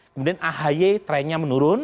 kemudian ahy trennya menurun